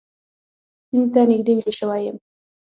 سیند ته نږدې ویده شوی یم